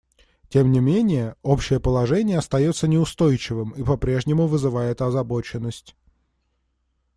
Тем не менее, общее положение остается неустойчивым и по-прежнему вызывает озабоченность.